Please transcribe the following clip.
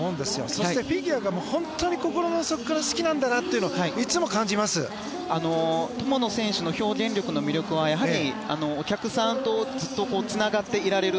そしてフィギュアが心の底から好きなんだと友野選手の表現力の魅力はやはり、お客さんとずっとつながっていられる。